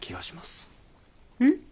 えっ？